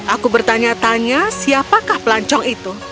aku bertanya tanya siapakah pelancong itu